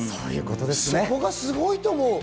そこがすごいと思う。